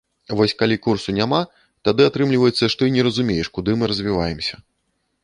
Вось калі курсу няма, тады атрымліваецца, што і не зразумееш, куды мы развіваемся.